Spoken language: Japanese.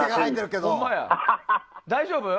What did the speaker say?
大丈夫？